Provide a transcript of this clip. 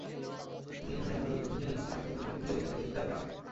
মিয়ানমারের নাগরিক রোহিঙ্গাদের মাঝে টাকা বিতরণের অভিযোগে তাঁদের গ্রেপ্তার করা হয়।